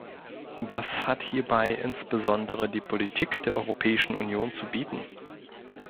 Was hat hierbei insbesondere die Politik der Europäischen Union zu bieten?